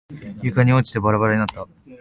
床に落ちてバラバラになった。